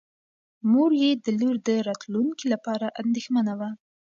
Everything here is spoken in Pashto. مور یې د لور د راتلونکي لپاره اندېښمنه وه.